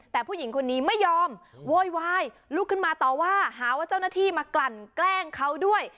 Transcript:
แต่ผู้หญิงคนนี้ไม่ยอมโวยวายลุกขึ้นมาต่อว่าหาว่าเจ้าหน้าที่มากลั่นแกล้งเขาด้วย